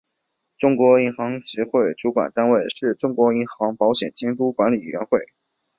中国银行业协会主管单位是中国银行保险监督管理委员会。